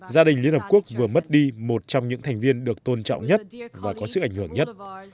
gia đình liên hợp quốc vừa mất đi một trong những thành viên được tôn trọng nhất và có sức ảnh hưởng nhất